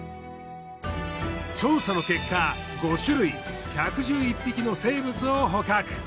調査の結果５種類１１１匹の生物を捕獲。